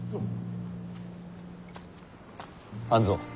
半蔵。